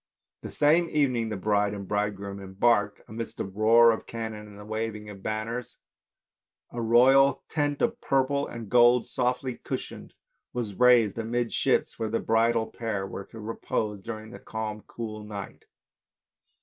That same evening the bride and bridegroom embarked, amidst the roar of cannon and the waving of banners. A royal tent of purple and gold softly cushioned was raised amidships where the bridal pair were to repose during the calm cool night.